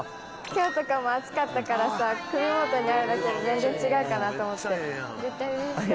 今日とかも暑かったからさ首元にあるだけで全然違うかなと思って。